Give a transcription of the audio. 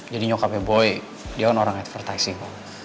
jadi nyokapnya boy dia kan orang advertising